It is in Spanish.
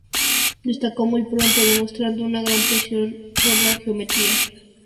Destacó muy pronto, demostrando una gran pasión por la geometría.